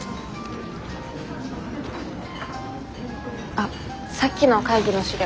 あっさっきの会議の資料